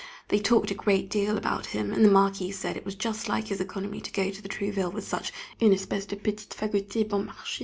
They talked a great deal about him, and the Marquise said it was just like his economy to go to Trouville with such "une espèce de petite fagottée bon marché."